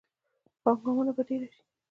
پانګونه به ډیره شي.